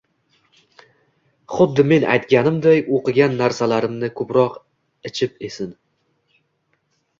Xuddi men aytganimday, o`qigan narsalarimni ko`proq ichib, esin